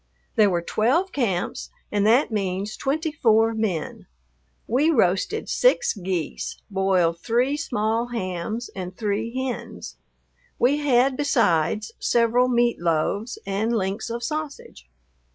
There were twelve camps and that means twenty four men. We roasted six geese, boiled three small hams and three hens. We had besides several meat loaves and links of sausage.